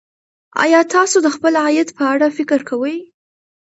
ایا تاسو د خپل عاید په اړه فکر کوئ.